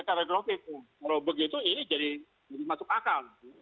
karena covid kalau begitu ini jadi masuk akal